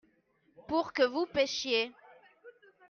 pour que vous pêchiez.